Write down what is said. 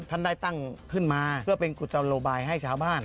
ท่านได้ตั้งขึ้นมาเพื่อเป็นกุศโลบายให้ชาวบ้าน